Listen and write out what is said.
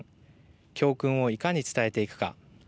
教訓を、いかに伝えていくか。